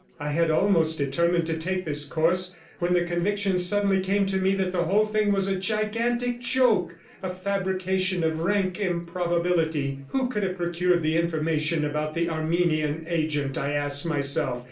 I had almost determined to take this course, when the conviction suddenly came to me that the whole thing was a gigantic joke, a fabrication of rank improbability. Who could have procured the information about the Armenian agent? I asked myself.